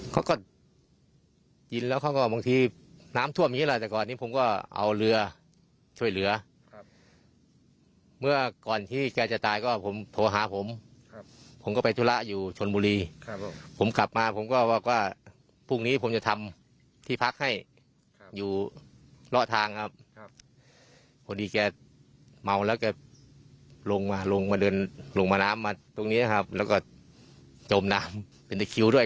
คนนี้แกเมาแล้วลงมาน้ำมาตรงนี้แล้วก็จมน้ำเป็นตะคริวด้วย